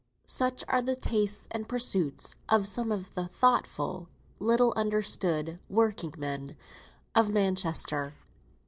Such are the tastes and pursuits of some of the thoughtful, little understood, working men of Manchester.